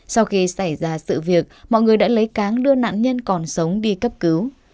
sau khi xảy ra sự việc mọi người đã lấy cáng đưa nạn nhân còn sống đi cấp cứu